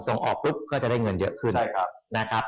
ส่งออกปุ๊บก็จะเรียกได้เงินเยอะขึ้น